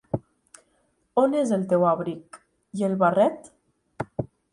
On és el teu abric? I el barret?